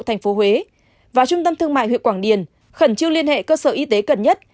thành phố huế và trung tâm thương mại huyện quảng điền khẩn trương liên hệ cơ sở y tế gần nhất